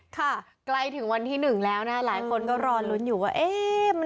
ค่ะใกล้ถึงวันที่๑แล้วนะหลายคนก็รอลุ้นอยู่ว่า